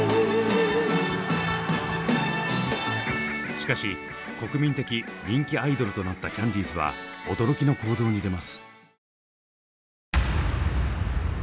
しかし国民的人気アイドルとなったキャンディーズは驚きの行動に出ます。